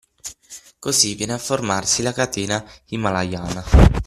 Così viene a formarsi la catena Himalayana.